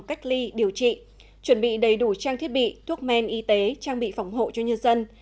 cách ly điều trị chuẩn bị đầy đủ trang thiết bị thuốc men y tế trang bị phòng hộ cho nhân dân